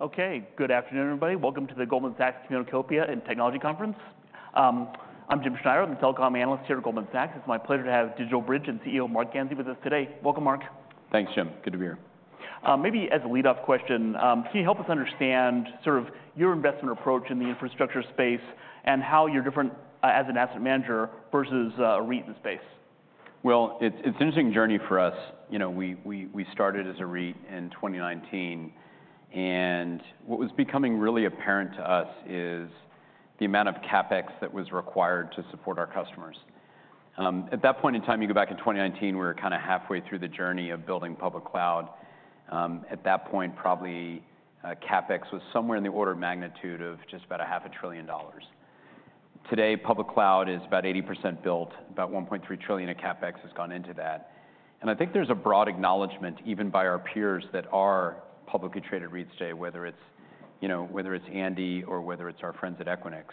Okay, good afternoon, everybody. Welcome to the Goldman Sachs Communacopia and Technology Conference. I'm Jim Schneider. I'm the telecom analyst here at Goldman Sachs. It's my pleasure to have DigitalBridge CEO Marc Ganzi with us today. Welcome, Mark. Thanks, Jim. Good to be here. Maybe as a lead-off question, can you help us understand sort of your investment approach in the infrastructure space and how you're different as an asset manager versus REIT in the space? It's an interesting journey for us. You know, we started as a REIT in 2019, and what was becoming really apparent to us is the amount of CapEx that was required to support our customers. At that point in time, you go back in 2019, we were kinda halfway through the journey of building public cloud. At that point, probably, CapEx was somewhere in the order of magnitude of just about $0.5 trillion. Today, public cloud is about 80% built. About $1.3 trillion of CapEx has gone into that. And I think there's a broad acknowledgment, even by our peers, that our publicly traded REITs today, whether it's, you know, whether it's Andy or whether it's our friends at Equinix.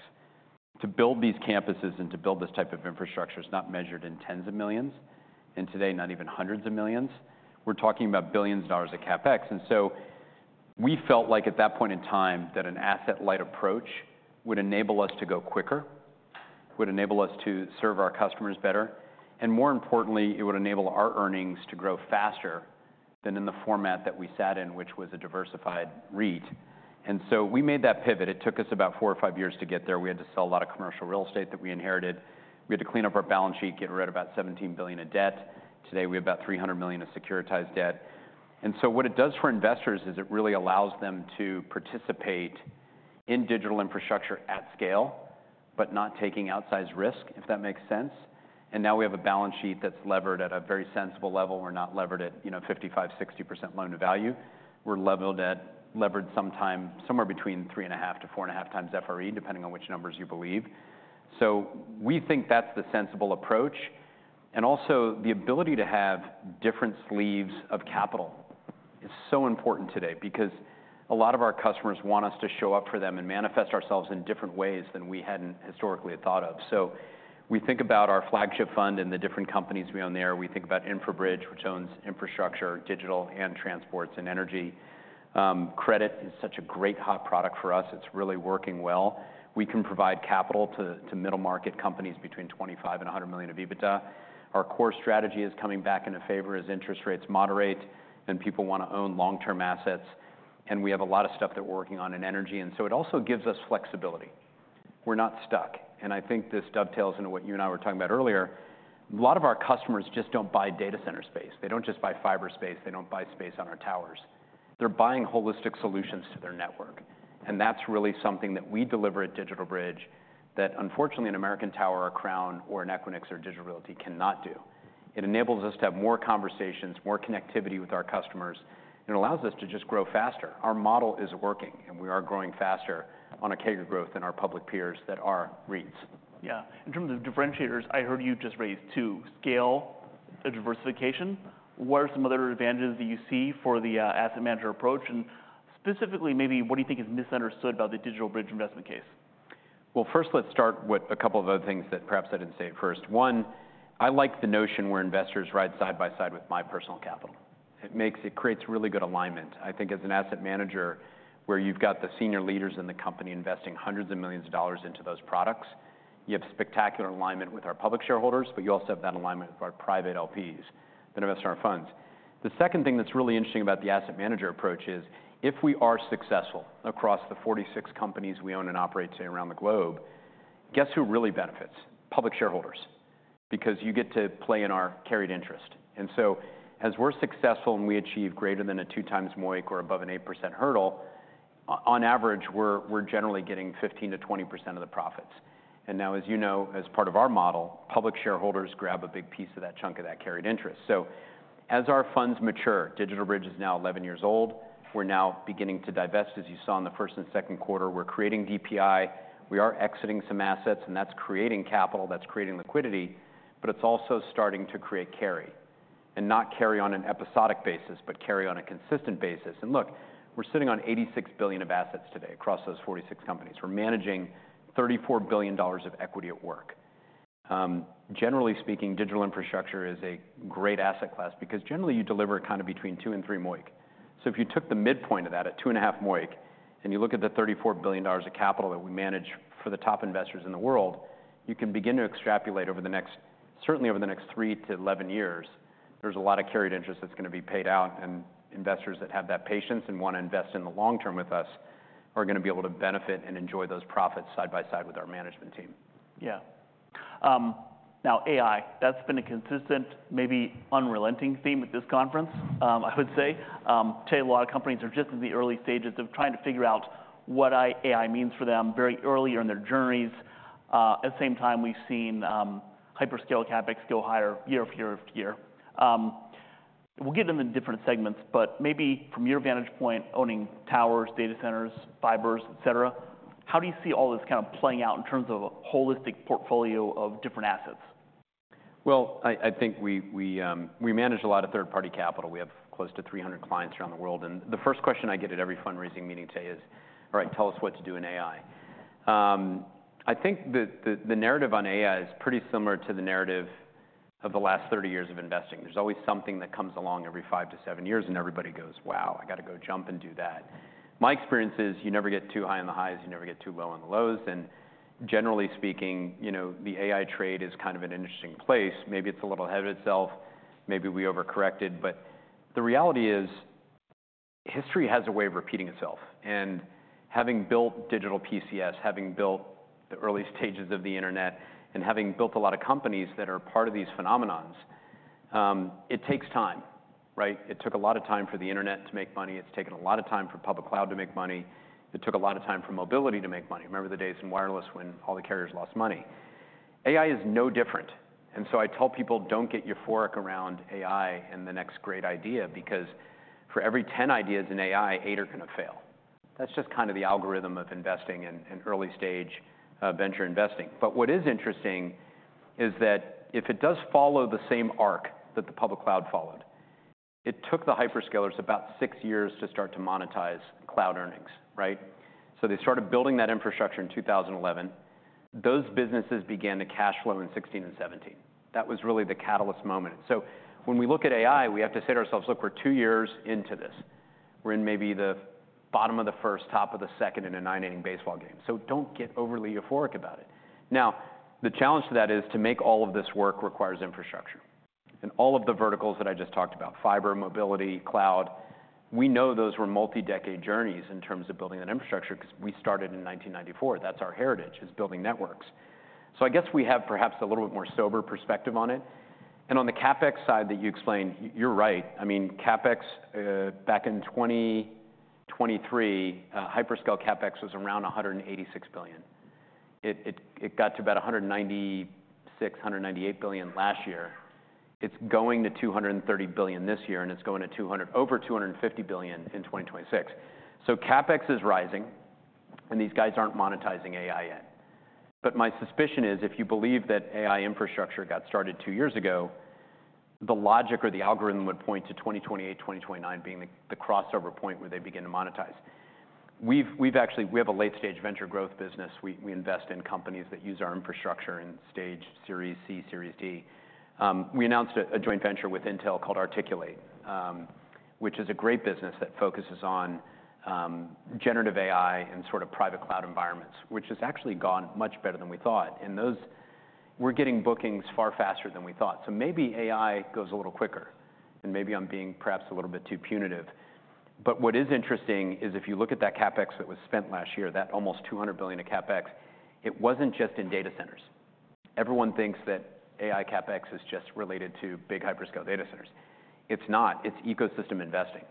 To build these campuses and to build this type of infrastructure is not measured in tens of millions, and today, not even hundreds of millions. We're talking about billions of dollars of CapEx, and so we felt like, at that point in time, that an asset-light approach would enable us to go quicker, would enable us to serve our customers better, and more importantly, it would enable our earnings to grow faster than in the format that we sat in, which was a diversified REIT. And so we made that pivot. It took us about four or five years to get there. We had to sell a lot of commercial real estate that we inherited. We had to clean up our balance sheet, get rid of about $17 billion of debt. Today, we have about $300 million of securitized debt. What it does for investors is it really allows them to participate in digital infrastructure at scale, but not taking outsized risk, if that makes sense. Now we have a balance sheet that's levered at a very sensible level. We're not levered at, you know, 55%-60% loan to value. We're levered sometime somewhere between 3.5 and 4.5 times FRE, depending on which numbers you believe. We think that's the sensible approach, and also the ability to have different sleeves of capital is so important today because a lot of our customers want us to show up for them and manifest ourselves in different ways than we hadn't historically had thought of. We think about our flagship fund and the different companies we own there. We think about InfraBridge, which owns infrastructure, digital, and transports, and energy. Credit is such a great hot product for us. It's really working well. We can provide capital to middle-market companies between 25 and 100 million of EBITDA. Our core strategy is coming back into favor as interest rates moderate, and people wanna own long-term assets, and we have a lot of stuff that we're working on in energy, and so it also gives us flexibility. We're not stuck, and I think this dovetails into what you and I were talking about earlier. A lot of our customers just don't buy data center space. They don't just buy fiber space. They don't buy space on our towers. They're buying holistic solutions to their network, and that's really something that we deliver at DigitalBridge that, unfortunately, an American Tower, a Crown, or an Equinix or Digital Realty cannot do. It enables us to have more conversations, more connectivity with our customers, and allows us to just grow faster. Our model is working, and we are growing faster on a CAGR growth than our public peers that are REITs. Yeah. In terms of differentiators, I heard you just raise to scale the diversification. What are some other advantages that you see for the asset manager approach, and specifically, maybe what do you think is misunderstood about the DigitalBridge investment case? First, let's start with a couple of other things that perhaps I didn't say at first. One, I like the notion where investors ride side by side with my personal capital. It creates really good alignment. I think as an asset manager, where you've got the senior leaders in the company investing hundreds of millions of dollars into those products, you have spectacular alignment with our public shareholders, but you also have that alignment with our private LPs that invest in our funds. The second thing that's really interesting about the asset manager approach is, if we are successful across the forty-six companies we own and operate today around the globe, guess who really benefits? Public shareholders, because you get to play in our carried interest. And so as we're successful and we achieve greater than a two times MOIC or above an 8% hurdle, on average, we're generally getting 15%-20% of the profits. And now, as you know, as part of our model, public shareholders grab a big piece of that chunk of that carried interest. So as our funds mature, DigitalBridge is now 11 years old. We're now beginning to divest, as you saw in the first and second quarter. We're creating DPI, we are exiting some assets, and that's creating capital, that's creating liquidity, but it's also starting to create carry. And not carry on an episodic basis, but carry on a consistent basis. And look, we're sitting on $86 billion of assets today across those 46 companies. We're managing $34 billion of equity at work. Generally speaking, digital infrastructure is a great asset class because generally, you deliver kind of between two and three MOIC. So if you took the midpoint of that at two and a half MOIC, and you look at the $34 billion of capital that we manage for the top investors in the world, you can begin to extrapolate over the next, certainly over the next 3 to 11 years, there's a lot of carried interest that's gonna be paid out, and investors that have that patience and wanna invest in the long term with us are gonna be able to benefit and enjoy those profits side by side with our management team. Yeah. Now, AI, that's been a consistent, maybe unrelenting theme at this conference, I would say. Today, a lot of companies are just in the early stages of trying to figure out what AI means for them very early on in their journeys. At the same time, we've seen hyperscale CapEx go higher year after year after year. We'll get them in different segments, but maybe from your vantage point, owning towers, data centers, fibers, et cetera, how do you see all this kind of playing out in terms of a holistic portfolio of different assets? I think we manage a lot of third-party capital. We have close to 300 clients around the world, and the first question I get at every fundraising meeting today is, "All right, tell us what to do in AI." I think the narrative on AI is pretty similar to the narrative of the last 30 years of investing. There's always something that comes along every five to seven years, and everybody goes: "Wow, I got to go jump and do that." My experience is you never get too high on the highs, you never get too low on the lows, and generally speaking, you know, the AI trade is kind of an interesting place. Maybe it's a little ahead of itself, maybe we overcorrected, but the reality is, history has a way of repeating itself. Having built digital PCs, having built the early stages of the internet, and having built a lot of companies that are part of these phenomena, it takes time, right? It took a lot of time for the internet to make money. It's taken a lot of time for public cloud to make money. It took a lot of time for mobility to make money. Remember the days in wireless when all the carriers lost money? AI is no different, and so I tell people, "Don't get euphoric around AI and the next great idea, because for every ten ideas in AI, eight are going to fail." That's just kind of the algorithm of investing in early stage venture investing. But what is interesting is that if it does follow the same arc that the public cloud followed, it took the hyperscalers about six years to start to monetize cloud earnings, right? So they started building that infrastructure in 2011. Those businesses began to cash flow in 2016 and 2017. That was really the catalyst moment. So when we look at AI, we have to say to ourselves, "Look, we're two years into this." We're in maybe the bottom of the first, top of the second in a nine-inning baseball game. So don't get overly euphoric about it. Now, the challenge to that is to make all of this work requires infrastructure, and all of the verticals that I just talked about, fiber, mobility, cloud, we know those were multi-decade journeys in terms of building that infrastructure because we started in 1994. That's our heritage, is building networks. So I guess we have perhaps a little bit more sober perspective on it. And on the CapEx side that you explained, you're right. I mean, CapEx back in 2023, hyperscale CapEx was around $186 billion. It got to about $196-$198 billion last year. It's going to $230 billion this year, and it's going to over $250 billion in 2026. So CapEx is rising, and these guys aren't monetizing AI yet. But my suspicion is, if you believe that AI infrastructure got started two years ago, the logic or the algorithm would point to 2028, 2029 being the crossover point where they begin to monetize. We actually have a late-stage venture growth business. We invest in companies that use our infrastructure in stage Series C, Series D. We announced a joint venture with Intel called Articul8, which is a great business that focuses on generative AI and sort of private cloud environments, which has actually gone much better than we thought. And those... We're getting bookings far faster than we thought. So maybe AI goes a little quicker, and maybe I'm being perhaps a little bit too punitive. But what is interesting is, if you look at that CapEx that was spent last year, that almost $200 billion of CapEx, it wasn't just in data centers. Everyone thinks that AI CapEx is just related to big hyperscale data centers. It's not. It's ecosystem investing.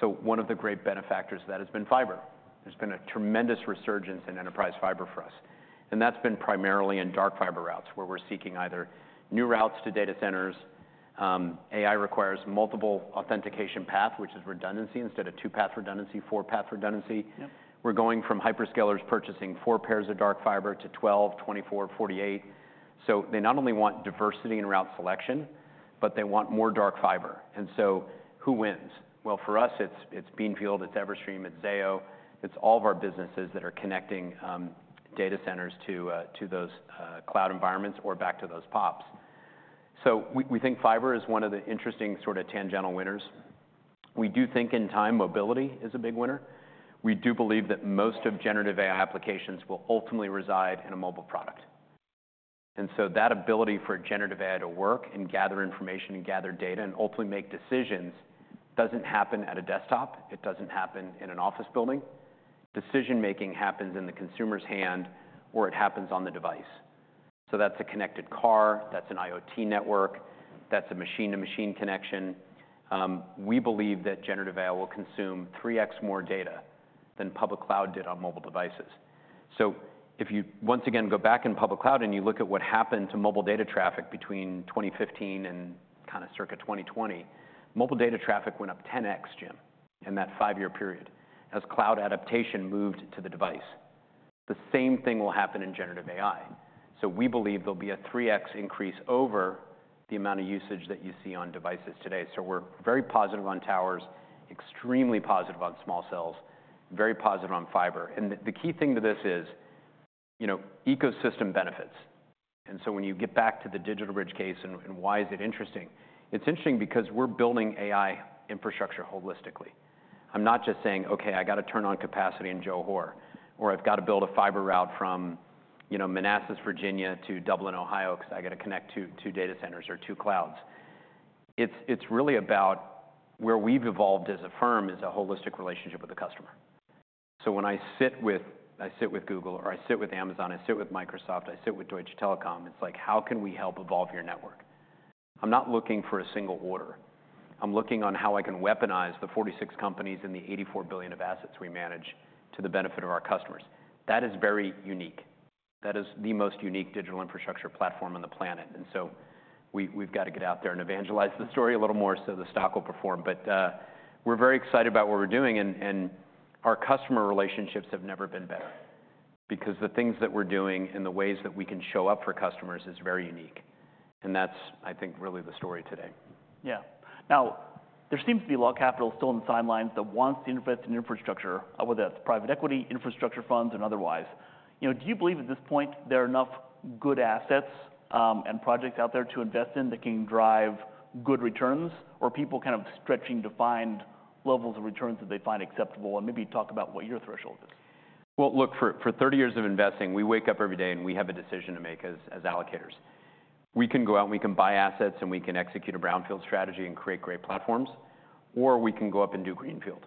So one of the great benefactors of that has been fiber. There's been a tremendous resurgence in enterprise fiber for us, and that's been primarily in dark fiber routes, where we're seeking either new routes to data centers. AI requires multiple interconnection path, which is redundancy. Instead of two-path redundancy, four-path redundancy. Yep. We're going from hyperscalers purchasing four pairs of dark fiber to 12, 24, 48, so they not only want diversity in route selection, but they want more dark fiber, and so who wins? Well, for us, it's Beanfield, it's Everstream, it's Zayo. It's all of our businesses that are connecting data centers to those cloud environments or back to those pops, so we think fiber is one of the interesting, sort of tangential winners. We do think in time, mobility is a big winner. We do believe that most of generative AI applications will ultimately reside in a mobile product, so that ability for generative AI to work and gather information and gather data and ultimately make decisions doesn't happen at a desktop. It doesn't happen in an office building. Decision-making happens in the consumer's hand, or it happens on the device. So that's a connected car, that's an IoT network, that's a machine-to-machine connection. We believe that generative AI will consume three X more data than public cloud did on mobile devices. So if you once again go back in public cloud, and you look at what happened to mobile data traffic between 2015 and kind of circa 2020, mobile data traffic went up ten X, Jim, in that five-year period, as cloud adoption moved to the device. The same thing will happen in generative AI. So we believe there'll be a three X increase over the amount of usage that you see on devices today. So we're very positive on towers, extremely positive on small cells, very positive on fiber. And the key thing to this is, you know, ecosystem benefits. And so when you get back to the DigitalBridge case, and why is it interesting? It's interesting because we're building AI infrastructure holistically. I'm not just saying: "Okay, I got to turn on capacity in Johor, or I've got to build a fiber route from, you know, Manassas, Virginia, to Dublin, Ohio, because I got to connect two, two data centers or two clouds." It's, it's really about where we've evolved as a firm, is a holistic relationship with the customer. So when I sit with, I sit with Google, or I sit with Amazon, I sit with Microsoft, I sit with Deutsche Telekom, it's like, "How can we help evolve your network?" I'm not looking for a single order. I'm looking on how I can weaponize the 46 companies and the $84 billion of assets we manage to the benefit of our customers. That is very unique. That is the most unique digital infrastructure platform on the planet, and so we, we've got to get out there and evangelize the story a little more, so the stock will perform. But, we're very excited about what we're doing, and, and our customer relationships have never been better.... because the things that we're doing and the ways that we can show up for customers is very unique, and that's, I think, really the story today. Yeah. Now, there seems to be a lot of capital still in the sidelines that wants to invest in infrastructure, whether that's private equity, infrastructure funds, and otherwise. You know, do you believe at this point there are enough good assets, and projects out there to invest in that can drive good returns, or are people kind of stretching to find levels of returns that they find acceptable? And maybe talk about what your threshold is. Look, for 30 years of investing, we wake up every day and we have a decision to make as allocators. We can go out and we can buy assets, and we can execute a brownfield strategy and create great platforms, or we can go up and do greenfield.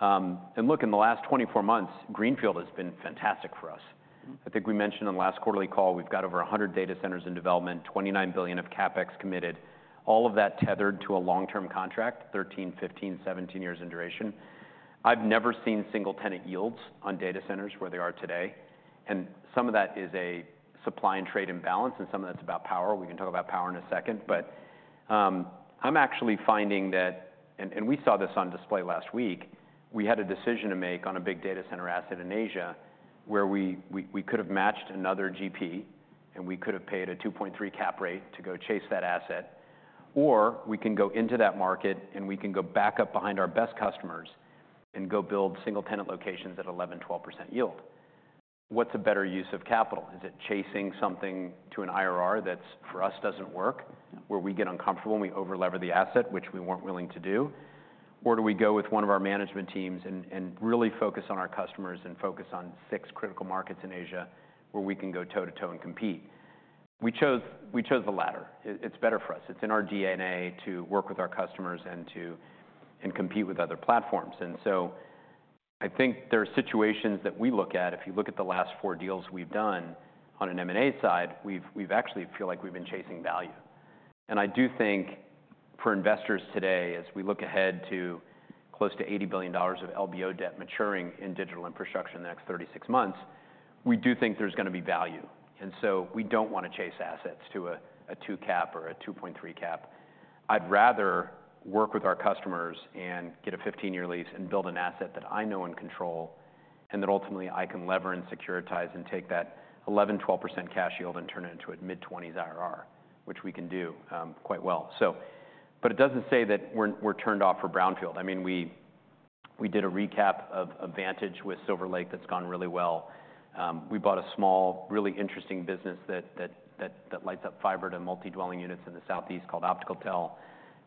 Look, in the last 24 months, greenfield has been fantastic for us. Mm-hmm. I think we mentioned on the last quarterly call, we've got over a hundred data centers in development, $29 billion of CapEx committed, all of that tethered to a long-term contract, 13, 15, 17 years in duration. I've never seen single-tenant yields on data centers where they are today, and some of that is a supply and trade imbalance, and some of that's about power. We can talk about power in a second, but, I'm actually finding that... and we saw this on display last week. We had a decision to make on a big data center asset in Asia, where we could have matched another GP, and we could have paid a 2.3% cap rate to go chase that asset, or we can go into that market, and we can go back up behind our best customers and go build single-tenant locations at 11%-12% yield. What's a better use of capital? Is it chasing something to an IRR that's, for us, doesn't work, where we get uncomfortable and we over-lever the asset, which we weren't willing to do? Or do we go with one of our management teams and really focus on our customers and focus on six critical markets in Asia, where we can go toe-to-toe and compete? We chose the latter. It's better for us. It's in our DNA to work with our customers and to... and compete with other platforms. So I think there are situations that we look at, if you look at the last four deals we've done on an M&A side, we actually feel like we've been chasing value. I do think for investors today, as we look ahead to close to $80 billion of LBO debt maturing in digital infrastructure in the next 36 months, we do think there's going to be value. So we don't want to chase assets to a 2 cap or a 2.3 cap. I'd rather work with our customers and get a 15-year lease and build an asset that I know and control, and that ultimately I can lever and securitize and take that 11-12% cash yield and turn it into a mid-twenties IRR, which we can do quite well. But it doesn't say that we're turned off for brownfield. I mean, we did a recap of Vantage with Silver Lake that's gone really well. We bought a small, really interesting business that lights up fiber to multi-dwelling units in the Southeast called OpticalTel.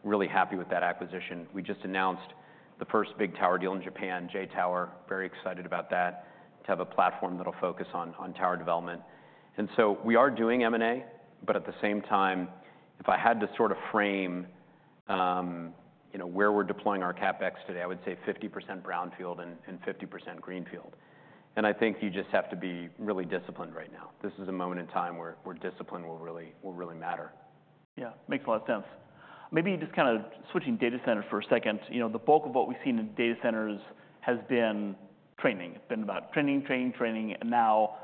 Really happy with that acquisition. We just announced the first big tower deal in Japan, J-Tower. Very excited about that, to have a platform that'll focus on tower development. We are doing M&A, but at the same time, if I had to sort of frame, you know, where we're deploying our CapEx today, I would say 50% brownfield and 50% greenfield. I think you just have to be really disciplined right now. This is a moment in time where discipline will really matter. Yeah, makes a lot of sense. Maybe just kind of switching data center for a second. You know, the bulk of what we've seen in data centers has been training. It's been about training, training, training, and now,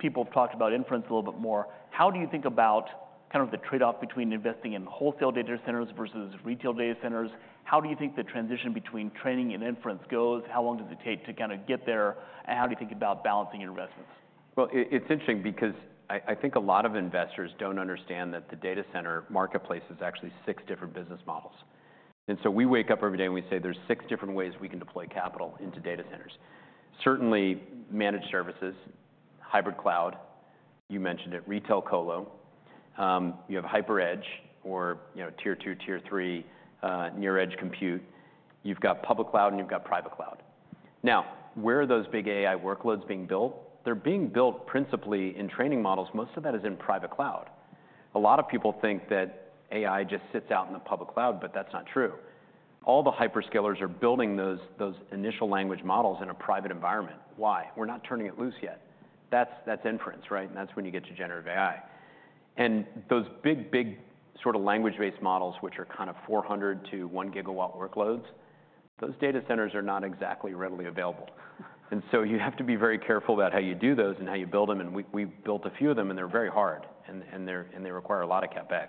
people have talked about inference a little bit more. How do you think about kind of the trade-off between investing in wholesale data centers versus retail data centers? How do you think the transition between training and inference goes? How long does it take to kind of get there, and how do you think about balancing your investments? It's interesting because I think a lot of investors don't understand that the data center marketplace is actually six different business models. And so we wake up every day, and we say, "There's six different ways we can deploy capital into data centers." Certainly, managed services, hybrid cloud, you mentioned it, retail colo, you have hyper edge, you know, tier two, tier three, near edge compute. You've got public cloud, and you've got private cloud. Now, where are those big AI workloads being built? They're being built principally in training models. Most of that is in private cloud. A lot of people think that AI just sits out in the public cloud, but that's not true. All the hyperscalers are building those initial language models in a private environment. Why? We're not turning it loose yet. That's inference, right? That's when you get to generative AI. And those big, big sort of language-based models, which are kind of four hundred to one gigawatt workloads, those data centers are not exactly readily available. And so you have to be very careful about how you do those and how you build them, and we've built a few of them, and they're very hard, and they require a lot of CapEx.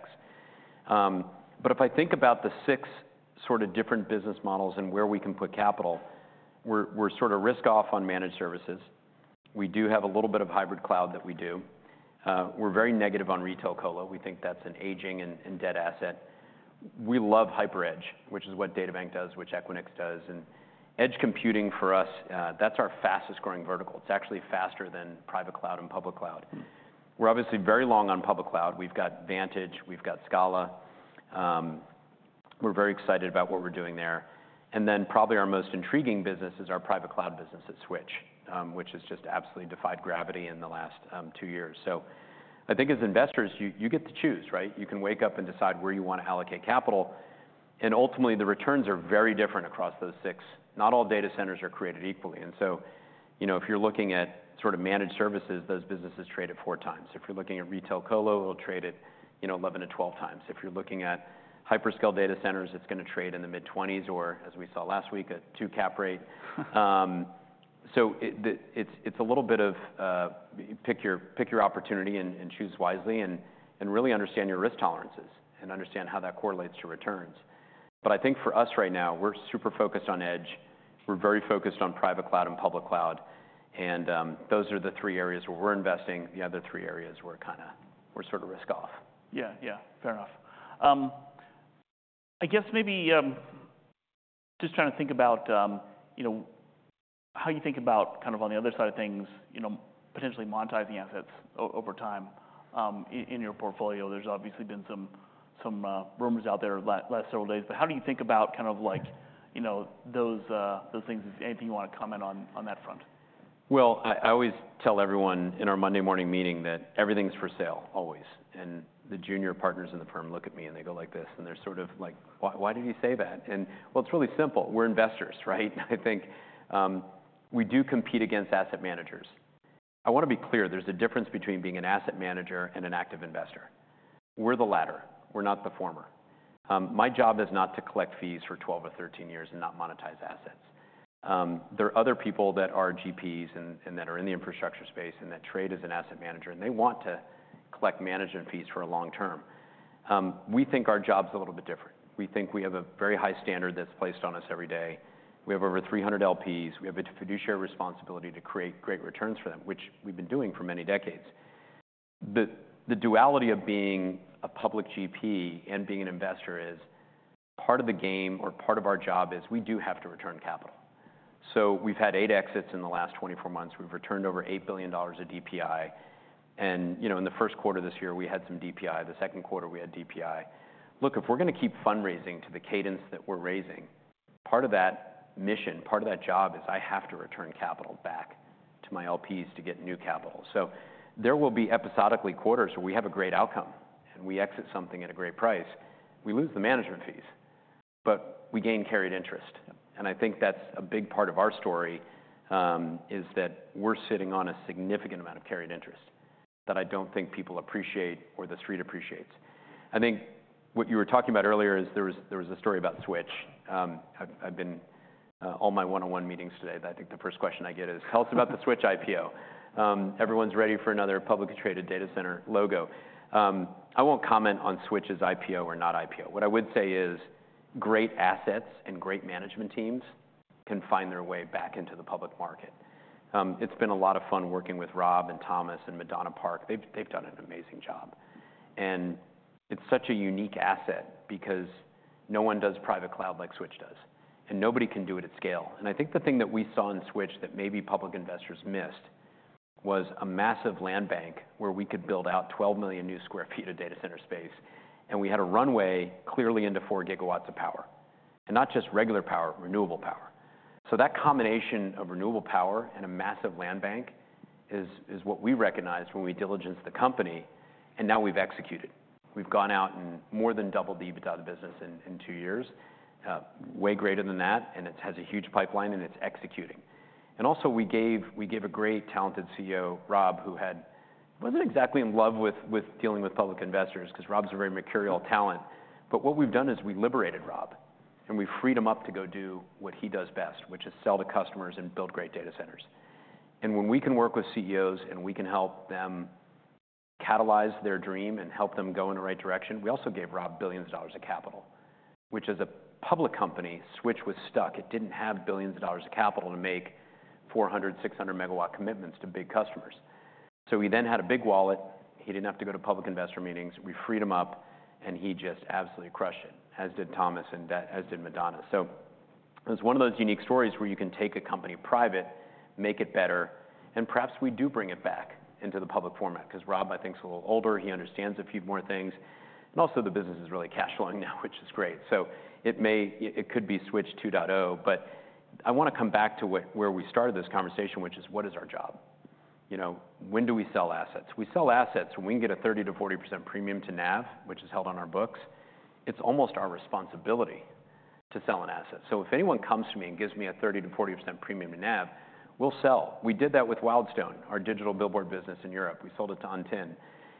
But if I think about the six sort of different business models and where we can put capital, we're sort of risk off on managed services. We do have a little bit of hybrid cloud that we do. We're very negative on retail colo. We think that's an aging and dead asset. We love hyper edge, which is what DataBank does, which Equinix does. Edge computing, for us, that's our fastest-growing vertical. It's actually faster than private cloud and public cloud. We're obviously very long on public cloud. We've got Vantage, we've got Scala. We're very excited about what we're doing there. Then, probably our most intriguing business is our private cloud business at Switch, which has just absolutely defied gravity in the last two years. I think as investors, you get to choose, right? You can wake up and decide where you want to allocate capital, and ultimately, the returns are very different across those six. Not all data centers are created equally, and so, you know, if you're looking at sort of managed services, those businesses trade at four times. If you're looking at retail colo, it'll trade at, you know, 11-12 times. If you're looking at hyperscale data centers, it's going to trade in the mid-twenties, or as we saw last week, a two cap rate. So it's a little bit of pick your opportunity and choose wisely and really understand your risk tolerances and understand how that correlates to returns. But I think for us right now, we're super focused on edge. We're very focused on private cloud and public cloud, and those are the three areas where we're investing. The other three areas, we're kinda risk-off. Yeah. Yeah, fair enough. I guess maybe, just trying to think about, you know, how you think about kind of on the other side of things, you know, potentially monetizing assets over time, in your portfolio. There's obviously been some rumors out there last several days, but how do you think about kind of like, you know, those things, if anything you wanna comment on, on that front? I always tell everyone in our Monday morning meeting that everything's for sale, always. The junior partners in the firm look at me, and they go like this, and they're sort of like, "Why, why did you say that?" It's really simple. We're investors, right? I think we do compete against asset managers. I wanna be clear, there's a difference between being an asset manager and an active investor. We're the latter, we're not the former. My job is not to collect fees for 12 or 13 years and not monetize assets. There are other people that are GPs and that are in the infrastructure space and that trade as asset managers, and they want to collect management fees for a long term. We think our job's a little bit different. We think we have a very high standard that's placed on us every day. We have over 300 LPs. We have a fiduciary responsibility to create great returns for them, which we've been doing for many decades. The duality of being a public GP and being an investor is part of the game or part of our job is we do have to return capital. So we've had 8 exits in the last 24 months. We've returned over $8 billion of DPI, and, you know, in the first quarter this year, we had some DPI. The second quarter, we had DPI. Look, if we're gonna keep fundraising to the cadence that we're raising, part of that mission, part of that job, is I have to return capital back to my LPs to get new capital. There will be episodic quarters where we have a great outcome, and we exit something at a great price. We lose the management fees, but we gain carried interest, and I think that's a big part of our story, is that we're sitting on a significant amount of carried interest that I don't think people appreciate or the street appreciates. I think what you were talking about earlier is there was a story about Switch. I've been in all my one-on-one meetings today, I think the first question I get is, "Tell us about the Switch IPO." Everyone's ready for another publicly traded data center play. I won't comment on Switch's IPO or not IPO. What I would say is, great assets and great management teams can find their way back into the public market. It's been a lot of fun working with Rob and Thomas and Madonna Park. They've done an amazing job. And it's such a unique asset because no one does private cloud like Switch does, and nobody can do it at scale. And I think the thing that we saw in Switch that maybe public investors missed was a massive land bank where we could build out 12 million sq ft of data center space, and we had a runway clearly into 4 gigawatts of power, and not just regular power, renewable power. So that combination of renewable power and a massive land bank is what we recognized when we diligenced the company, and now we've executed. We've gone out and more than doubled the EBITDA of the business in two years. Way greater than that, and it has a huge pipeline, and it's executing. We also gave a great, talented CEO, Rob, who... wasn't exactly in love with dealing with public investors, 'cause Rob's a very mercurial talent. What we've done is we liberated Rob, and we freed him up to go do what he does best, which is sell to customers and build great data centers. When we can work with CEOs, and we can help them catalyze their dream and help them go in the right direction, we also gave Rob billions of dollars of capital, which as a public company, Switch was stuck. It didn't have billions of dollars of capital to make 400-600 megawatt commitments to big customers. He then had a big wallet. He didn't have to go to public investor meetings. We freed him up, and he just absolutely crushed it, as did Thomas, and as did Madonna. So it's one of those unique stories where you can take a company private, make it better, and perhaps we do bring it back into the public format, 'cause Rob, I think, is a little older. He understands a few more things, and also the business is really cash flowing now, which is great. So it may... It could be Switch 2.0, but I wanna come back to where we started this conversation, which is: What is our job? You know, when do we sell assets? We sell assets when we can get a 30%-40% premium to NAV, which is held on our books. It's almost our responsibility to sell an asset. So if anyone comes to me and gives me a 30%-40% premium to NAV, we'll sell. We did that with Wildstone, our digital billboard business in Europe. We sold it to Antin,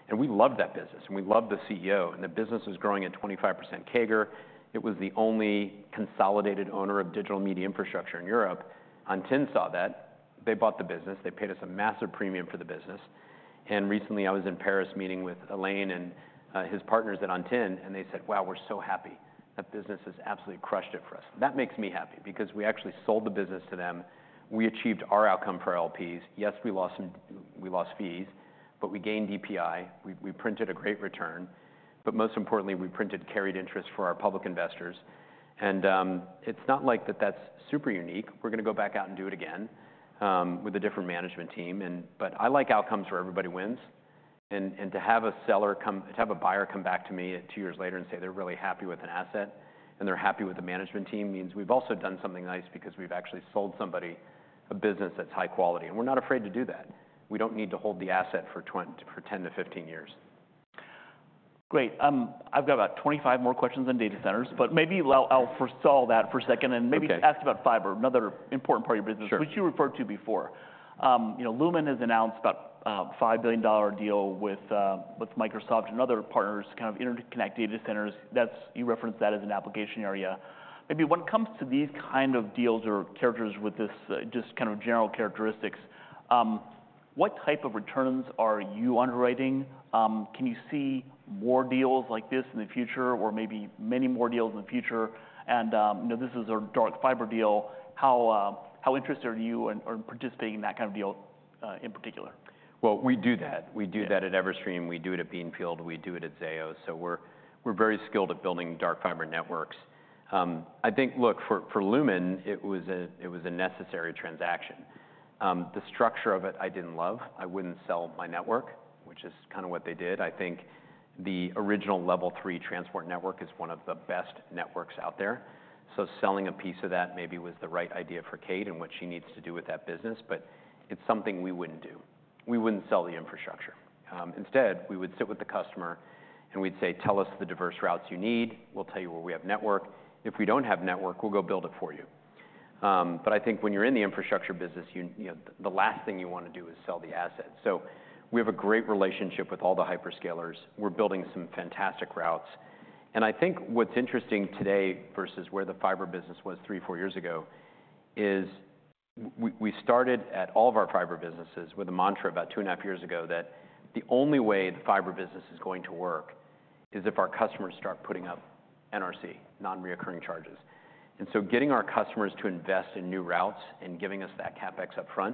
and we loved that business, and we loved the CEO, and the business was growing at 25% CAGR. It was the only consolidated owner of digital media infrastructure in Europe. Antin saw that. They bought the business. They paid us a massive premium for the business. And recently, I was in Paris meeting with Alain and his partners at Antin, and they said, "Wow, we're so happy. That business has absolutely crushed it for us." That makes me happy because we actually sold the business to them. We achieved our outcome for our LPs. Yes, we lost some fees, but we gained DPI. We printed a great return, but most importantly, we printed carried interest for our public investors. And, it's not like that that's super unique. We're gonna go back out and do it again, with a different management team. But I like outcomes where everybody wins, and to have a seller come to have a buyer come back to me two years later and say they're really happy with an asset and they're happy with the management team, means we've also done something nice because we've actually sold somebody a business that's high quality, and we're not afraid to do that. We don't need to hold the asset for 10-15 years. Great. I've got about 25 more questions on data centers, but maybe I'll forestall that for a second. Okay. And maybe ask about fiber, another important part of your business. Sure... which you referred to before. You know, Lumen has announced about a $5 billion deal with with Microsoft and other partners to kind of interconnect data centers. That's... You referenced that as an application area.... Maybe when it comes to these kind of deals or contracts with this, just kind of general characteristics, what type of returns are you underwriting? Can you see more deals like this in the future, or maybe many more deals in the future? And you know, this is a dark fiber deal, how interested are you in participating in that kind of deal in particular? We do that. Yeah. We do that at Everstream, we do it at Beanfield, we do it at Zayo. So we're very skilled at building dark fiber networks. I think, look, for Lumen, it was a necessary transaction. The structure of it, I didn't love. I wouldn't sell my network, which is kind of what they did. I think the original Level 3 transport network is one of the best networks out there, so selling a piece of that maybe was the right idea for Kate and what she needs to do with that business, but it's something we wouldn't do. We wouldn't sell the infrastructure. Instead, we would sit with the customer, and we'd say: Tell us the diverse routes you need. We'll tell you where we have network. If we don't have network, we'll go build it for you. But I think when you're in the infrastructure business, you know, the last thing you wanna do is sell the asset, so we have a great relationship with all the hyperscalers. We're building some fantastic routes, and I think what's interesting today, versus where the fiber business was three, four years ago, is we started at all of our fiber businesses with a mantra about two and a half years ago, that the only way the fiber business is going to work is if our customers start putting up NRC, non-recurring charges, and so getting our customers to invest in new routes and giving us that CapEx upfront,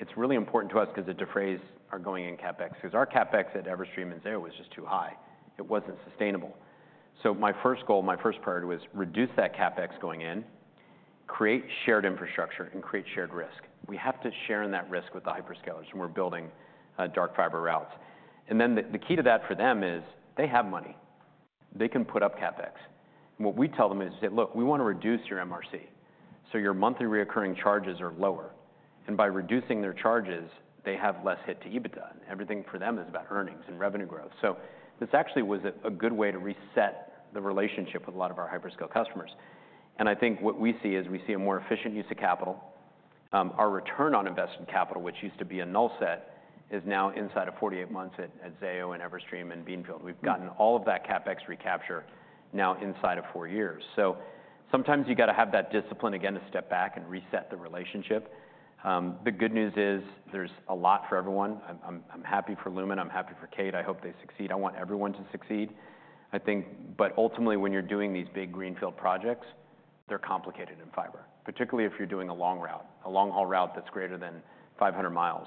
it's really important to us 'cause it defrays our going in CapEx, 'cause our CapEx at Everstream and Zayo was just too high. It wasn't sustainable. So my first goal, my first priority, was reduce that CapEx going in, create shared infrastructure, and create shared risk. We have to share in that risk with the hyperscalers, and we're building dark fiber routes. And then the key to that for them is they have money. They can put up CapEx. And what we tell them is, "Look, we wanna reduce your MRC, so your monthly recurring charges are lower." And by reducing their charges, they have less hit to EBITDA, and everything for them is about earnings and revenue growth. So this actually was a good way to reset the relationship with a lot of our hyperscale customers. And I think what we see is we see a more efficient use of capital. Our return on investment capital, which used to be a null set, is now inside of 48 months at Zayo, and Everstream, and Beanfield. We've gotten all of that CapEx recapture now inside of four years. Sometimes you've got to have that discipline again to step back and reset the relationship. The good news is, there's a lot for everyone. I'm happy for Lumen. I'm happy for Kate. I hope they succeed. I want everyone to succeed. I think... Ultimately, when you're doing these big greenfield projects, they're complicated in fiber, particularly if you're doing a long route, a long-haul route that's greater than 500 miles.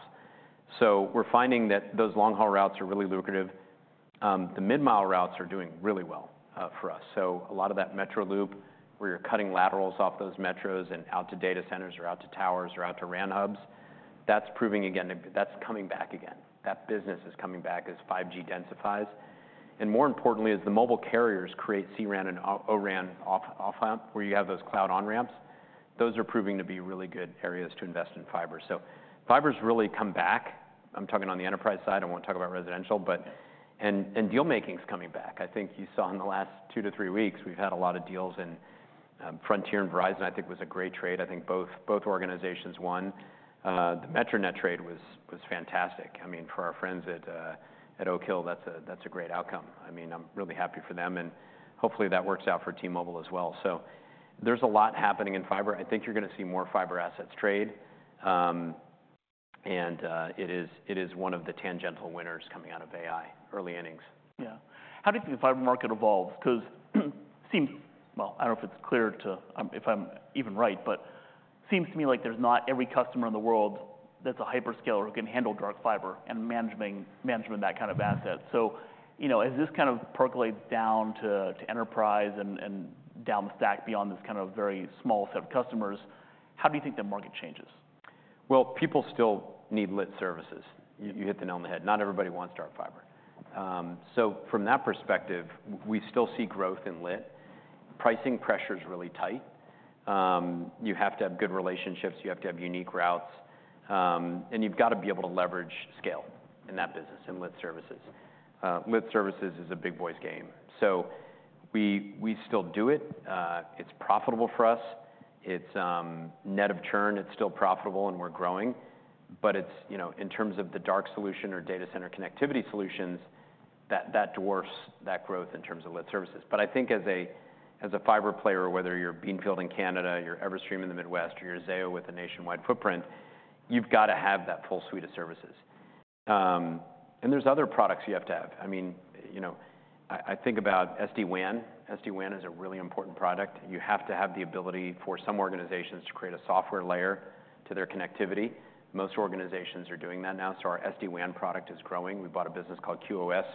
We're finding that those long-haul routes are really lucrative. The mid-mile routes are doing really well for us. So a lot of that metro loop, where you're cutting laterals off those metros and out to data centers, or out to towers, or out to RAN hubs, that's proving again, that's coming back again. That business is coming back as 5G densifies. And more importantly, as the mobile carriers create C-RAN and O-RAN, where you have those cloud on-ramps, those are proving to be really good areas to invest in fiber. So fiber's really come back. I'm talking on the enterprise side, I won't talk about residential. But and deal-making's coming back. I think you saw in the last two to three weeks, we've had a lot of deals, and Frontier and Verizon, I think, was a great trade. I think both, both organizations won. The MetroNet trade was, was fantastic. I mean, for our friends at Oak Hill, that's a great outcome. I mean, I'm really happy for them, and hopefully, that works out for T-Mobile as well. So there's a lot happening in fiber. I think you're going to see more fiber assets trade. And it is one of the tangential winners coming out of AI, early innings. Yeah. How do you think the fiber market evolves? Because it seems... Well, I don't know if it's clear to... if I'm even right, but it seems to me like there's not every customer in the world that's a hyperscaler, who can handle dark fiber and managing that kind of asset. So, you know, as this kind of percolates down to enterprise and down the stack beyond this kind of very small set of customers, how do you think the market changes? People still need lit services. You, you hit the nail on the head. Not everybody wants dark fiber. So from that perspective, we still see growth in lit. Pricing pressure is really tight. You have to have good relationships, you have to have unique routes, and you've got to be able to leverage scale in that business, in lit services. Lit services is a big boys game. So we still do it. It's profitable for us. It's net of churn, it's still profitable, and we're growing. But it's, you know, in terms of the dark solution or data center connectivity solutions, that dwarfs that growth in terms of lit services. But I think as a fiber player, whether you're Beanfield in Canada, you're Everstream in the Midwest, or you're Zayo with a nationwide footprint, you've got to have that full suite of services. And there's other products you have to have. I mean, you know, I think about SD-WAN. SD-WAN is a really important product. You have to have the ability for some organizations to create a software layer to their connectivity. Most organizations are doing that now, so our SD-WAN product is growing. We bought a business called QOS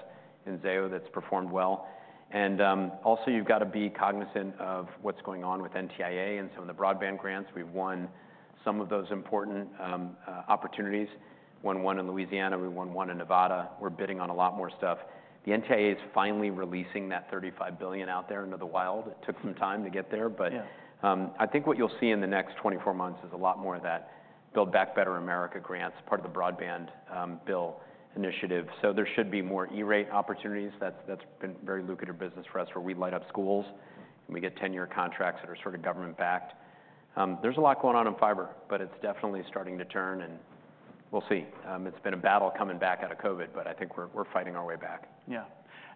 in Zayo that's performed well. And also, you've got to be cognizant of what's going on with NTIA and some of the broadband grants. We've won some of those important opportunities. Won one in Louisiana, we won one in Nevada. We're bidding on a lot more stuff. The NTIA is finally releasing that $35 billion out there into the wild. Mm. It took some time to get there, but- Yeah I think what you'll see in the next 24 months is a lot more of that Build Back Better America grants, part of the broadband bill initiative. So there should be more E-rate opportunities. That's been very lucrative business for us, where we light up schools, and we get 10-year contracts that are sort of government-backed. There's a lot going on in fiber, but it's definitely starting to turn, and we'll see. It's been a battle coming back out of COVID, but I think we're fighting our way back. Yeah,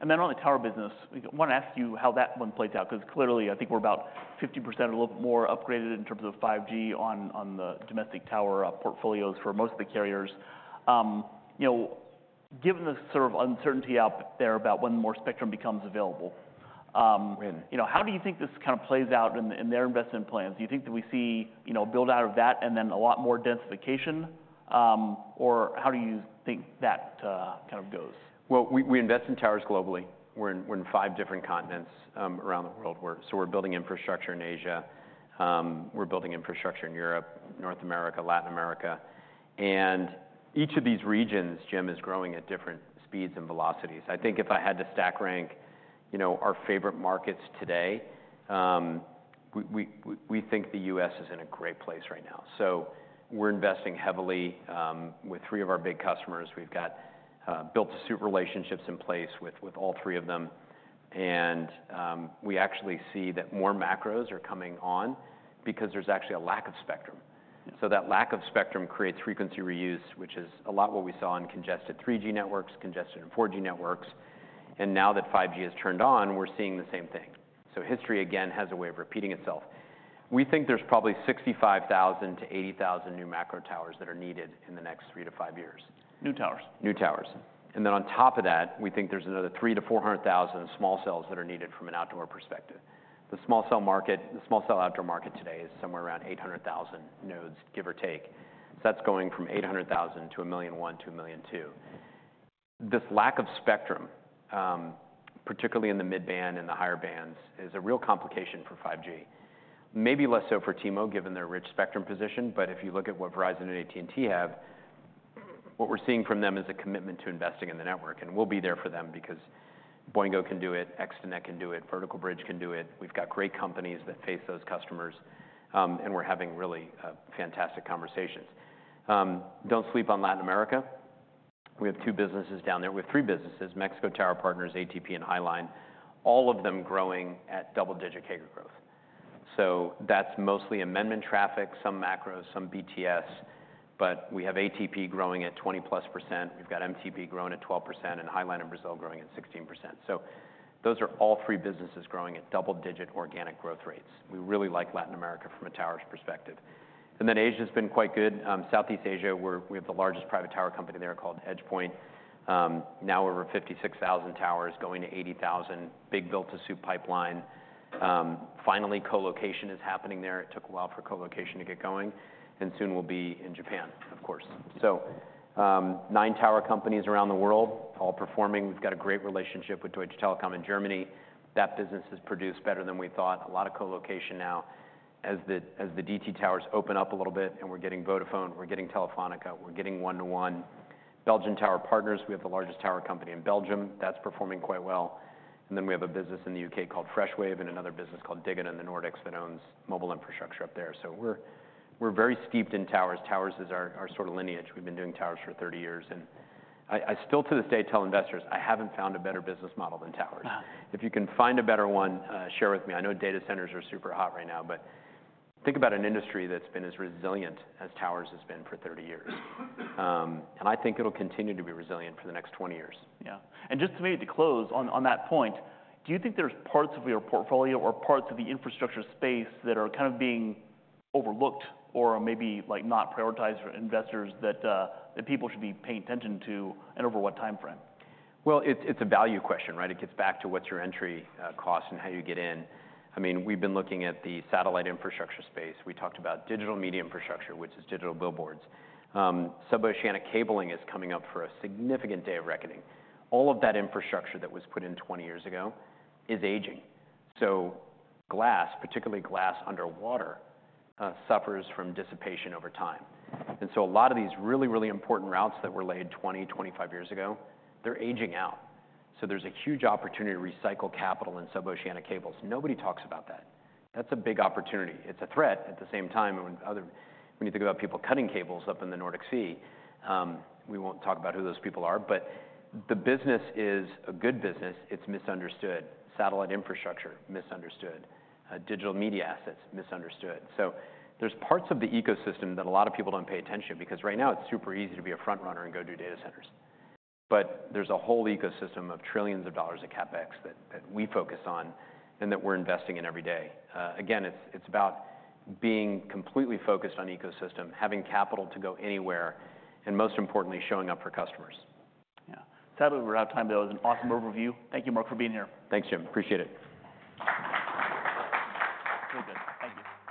and then on the tower business, I wanna ask you how that one plays out, 'cause clearly, I think we're about 50% or a little more upgraded in terms of 5G on the domestic tower portfolios for most of the carriers. You know, given the sort of uncertainty out there about when more spectrum becomes available. Right... you know, how do you think this kind of plays out in, in their investment plans? Do you think that we see, you know, build-out of that and then a lot more densification, or how do you think that, kind of goes? We invest in towers globally. We're in five different continents around the world. We're building infrastructure in Asia, we're building infrastructure in Europe, North America, Latin America, and each of these regions, Jim, is growing at different speeds and velocities. I think if I had to stack rank, you know, our favorite markets today, we think the U.S. is in a great place right now. We're investing heavily with three of our big customers. We've got built-to-suit relationships in place with all three of them, and we actually see that more macros are coming on because there's actually a lack of spectrum. Yeah. That lack of spectrum creates frequency reuse, which is a lot what we saw in congested 3G networks, congested in 4G networks, and now that 5G is turned on, we're seeing the same thing. So history, again, has a way of repeating itself. We think there's probably 65,000-80,000 new macro towers that are needed in the next 3-5 years. New towers? New towers. And then on top of that, we think there's another three to four hundred thousand small cells that are needed from an outdoor perspective. The small cell market, the small cell outdoor market today is somewhere around eight hundred thousand nodes, give or take. So that's going from eight hundred thousand to a million one to a million two. This lack of spectrum, particularly in the mid-band and the higher bands, is a real complication for 5G. Maybe less so for T-Mo, given their rich spectrum position, but if you look at what Verizon and AT&T have, what we're seeing from them is a commitment to investing in the network. And we'll be there for them because Boingo can do it, Extenet can do it, Vertical Bridge can do it. We've got great companies that face those customers, and we're having really fantastic conversations. Don't sleep on Latin America. We have two businesses down there. We have three businesses, Mexico Tower Partners, ATP, and Highline, all of them growing at double-digit CAGR growth. So that's mostly amendment traffic, some macros, some BTS, but we have ATP growing at 20+%. We've got MTP growing at 12%, and Highline in Brazil growing at 16%. So those are all three businesses growing at double-digit organic growth rates. We really like Latin America from a towers perspective. And then Asia has been quite good. Southeast Asia, we have the largest private tower company there called EdgePoint. Now we're over 56,000 towers, going to 80,000, big built to suit pipeline. Finally, co-location is happening there. It took a while for co-location to get going, and soon we'll be in Japan, of course. 9 tower companies around the world, all performing. We've got a great relationship with Deutsche Telekom in Germany. That business has produced better than we thought. A lot of co-location now as the DT towers open up a little bit, and we're getting Vodafone, we're getting Telefonica, we're getting 1&1. Belgian Tower Partners, we have the largest tower company in Belgium. That's performing quite well. We have a business in the UK called Freshwave, and another business called Digita in the Nordics, that owns mobile infrastructure up there. We're very steeped in towers. Towers is our sort of lineage. We've been doing towers for 30 years, and I still to this day tell investors, "I haven't found a better business model than towers." If you can find a better one, share with me. I know data centers are super hot right now, but think about an industry that's been as resilient as towers has been for thirty years, and I think it'll continue to be resilient for the next twenty years. Yeah. And just maybe to close on that point, do you think there's parts of your portfolio or parts of the infrastructure space that are kind of being overlooked or maybe, like, not prioritized for investors that that people should be paying attention to, and over what timeframe? It's a value question, right? It gets back to what's your entry cost and how you get in. I mean, we've been looking at the satellite infrastructure space. We talked about digital media infrastructure, which is digital billboards. Suboceanic cabling is coming up for a significant day of reckoning. All of that infrastructure that was put in twenty years ago is aging. So glass, particularly glass under water, suffers from dissipation over time. And so a lot of these really, really important routes that were laid twenty, twenty-five years ago, they're aging out. So there's a huge opportunity to recycle capital in suboceanic cables. Nobody talks about that. That's a big opportunity. It's a threat at the same time, and when you think about people cutting cables up in the Nordic Sea, we won't talk about who those people are, but the business is a good business. It's misunderstood. Satellite infrastructure, misunderstood. Digital media assets, misunderstood. So there's parts of the ecosystem that a lot of people don't pay attention, because right now it's super easy to be a front runner and go do data centers. But there's a whole ecosystem of trillions of dollars of CapEx that we focus on and that we're investing in every day. Again, it's about being completely focused on ecosystem, having capital to go anywhere, and most importantly, showing up for customers. Yeah. Sadly, we're out of time, but it was an awesome overview. Thank you, Mark, for being here. Thanks, Jim. Appreciate it. Very good. Thank you.